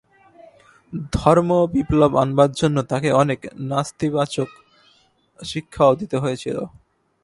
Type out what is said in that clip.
ধর্ম-বিপ্লব আনবার জন্য তাঁকে অনেক নাস্তিবাচক শিক্ষাও দিতে হয়েছিল।